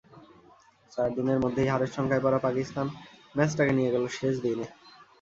চার দিনের মধ্যেই হারের শঙ্কায় পড়া পাকিস্তান ম্যাচটাকে নিয়ে গেল শেষ দিনে।